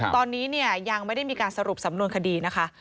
ตอนนี้ยังไม่ได้มีการสรุปสำนวนคดีนะคะ